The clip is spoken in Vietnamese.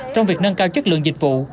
trong việc nâng cao chất lượng dịch vụ